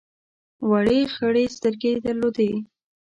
وړې خړې سترګې یې درلودې.